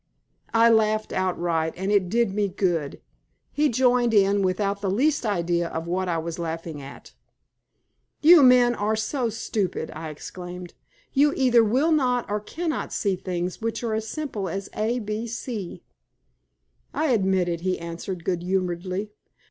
I laughed outright, and it did me good. He joined in it without the least idea of what I was laughing at. "You men are so stupid!" I exclaimed. "You either will not or cannot see things which are as simple as A B C." "I admit it," he answered, good humoredly.